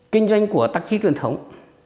kinh doanh của tác chí truyền thống